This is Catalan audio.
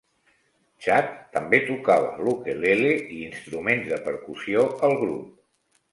Chad també tocava l'ukelele i instruments de percussió al grup.